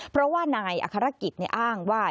เพราะว่านายอคารกิจเนี่ยอ้างว่า